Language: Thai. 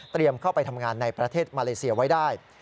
เข้าไปทำงานในประเทศมาเลเซียไว้ได้